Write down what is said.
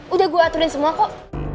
udah gue aturin semua kok